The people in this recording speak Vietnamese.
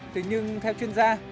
thế nhưng theo chuyên gia